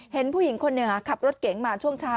เห็นผู้หญิงคนหนึ่งขับรถเก๋งมาช่วงเช้า